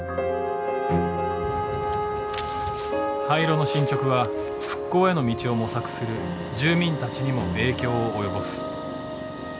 廃炉の進捗は復興への道を模索する住民たちにも影響を及ぼす。